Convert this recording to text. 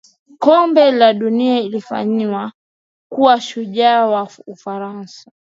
Kombe la dunia lilimfanya kuwa shujaa wa Ufaransa